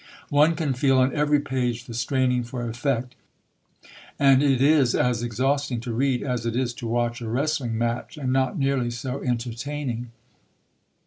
One can feel on every page the straining for effect, and it is as exhausting to read as it is to watch a wrestling match, and not nearly so entertaining.